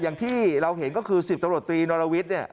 อย่างที่เราเห็นก็คือสิบตะโหลดตีนอลลาวิทเนี่ย